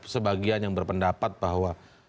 sebagian yang berpendapat bahwa